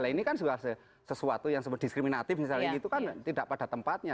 ini kan juga sesuatu yang sebut diskriminatif misalnya gitu kan tidak pada tempatnya